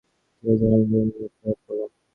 কেন জানি নীলুর বেশ মন-খারাপ হল।